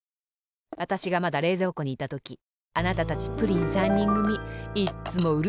わたしがまだれいぞうこにいたときあなたたちプリン３にんぐみいっつもうるさかったわ。